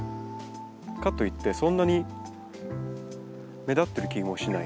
かといってそんなに目立ってる気もしないですね。